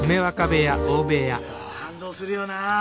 感動するよなあ